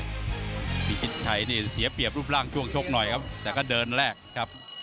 พิชิตชัยนี่เสียเปรียบรูปร่างช่วงชกหน่อยครับแต่ก็เดินแรกครับ